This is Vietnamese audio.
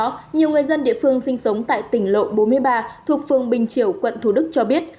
trước đó nhiều người dân địa phương sinh sống tại tỉnh lộ bốn mươi ba thuộc phường bình triều quận thủ đức cho biết